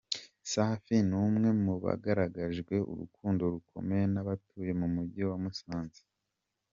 Safi ni umwe mu bagaragarijwe urukundo rukomeye n’abatuye mu Mujyi wa Musanze.